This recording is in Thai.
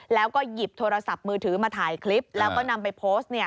แล้วก็หยิบโทรศัพท์มือถือมาถ่ายคลิปแล้วก็นำไปโพสต์